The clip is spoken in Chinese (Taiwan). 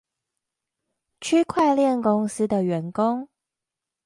區塊鏈公司的員工